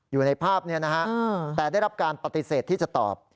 อยู่ในภาพนี้นะฮะแต่ได้รับการปฏิเสธที่จะตอบ